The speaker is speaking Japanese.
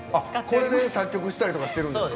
これで作曲したりしてるんだ？